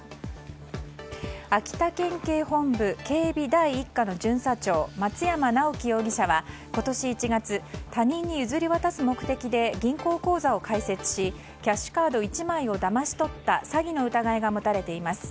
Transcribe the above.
秋田県警本部警備第１課の巡査長松山直樹容疑者は、今年１月他人に譲り渡す目的で銀行口座を開設しキャッシュカード１枚をだまし取った詐欺の疑いが持たれています。